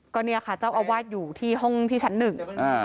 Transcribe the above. ก็เนี่ยค่ะเจ้าอาวาสอยู่ที่ห้องที่ชั้นหนึ่งอ่า